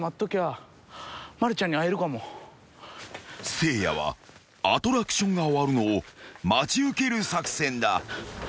［せいやはアトラクションが終わるのを待ち受ける作戦だ］